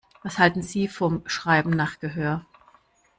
Was halten Sie vom Schreiben nach Gehör?